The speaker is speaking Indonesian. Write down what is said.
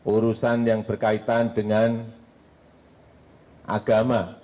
urusan yang berkaitan dengan agama